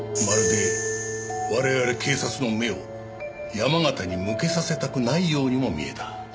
まるで我々警察の目を山形に向けさせたくないようにも見えた。